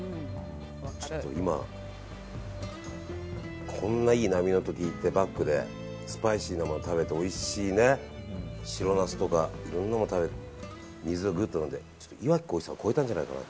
ちょっと今こんないい波の音聞いてバックでスパイシーなもの食べておいしい白ナスとかいろんなもの食べて水ぐっと飲んで、岩城滉一さん超えたんじゃないかな。